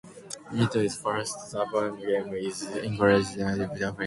It is the first "Zaxxon" game to incorporate polygon graphics.